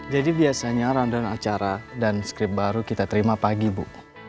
jadi biasanya round round acara dan script baru kita terima pagi ibu